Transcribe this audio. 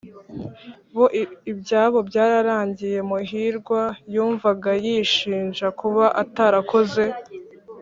bo ibyabo byararangiye." muhirwa yumvaga yishinja kuba atarakoze